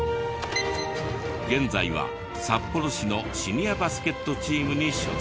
現在は札幌市のシニアバスケットチームに所属。